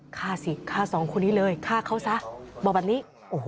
ฆ่าสิฆ่าสองคนนี้เลยฆ่าเขาซะบอกแบบนี้